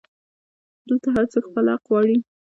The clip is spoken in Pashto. دلته هرڅوک خپل حق غواړي